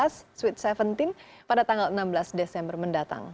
sweet seventeen pada tanggal enam belas desember mendatang